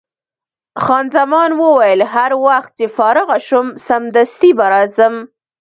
خان زمان وویل: هر وخت چې فارغه شوم، سمدستي به راځم.